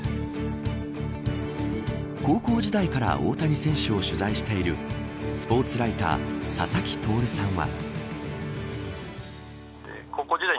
高校時代から大谷選手を取材しているスポーツライター佐々木亨さんは。